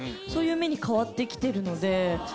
そういう目に変わってきてる。